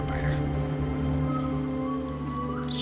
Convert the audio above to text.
surat dari siapa ya